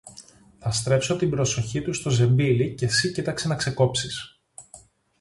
Θα στρέψω την προσοχή του στο ζεμπίλι και συ κοίταξε να ξεκόψεις.